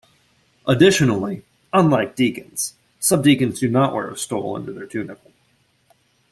Additionally, unlike deacons, subdeacons do not wear a stole under their tunicle.